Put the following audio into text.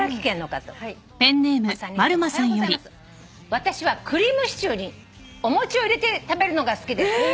「私はクリームシチューにお餅を入れて食べるのが好きです」